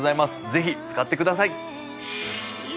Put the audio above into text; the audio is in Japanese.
ぜひ使ってください！